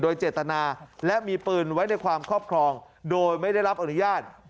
โดยเจตนาและมีปืนไว้ในความครอบครองโดยไม่ได้รับอนุญาต